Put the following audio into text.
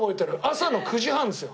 朝の９時半ですよ。